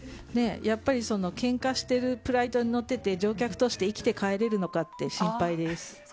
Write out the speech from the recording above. やっぱり、けんかしているフライトに乗っていて乗客として生きて帰れるのかって心配です。